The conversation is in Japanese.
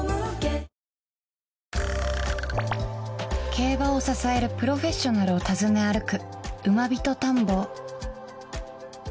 競馬を支えるプロフェッショナルを訪ね歩く